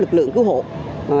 lực lượng cứu hộ